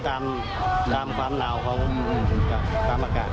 ตามความหนาวของตามอากาศ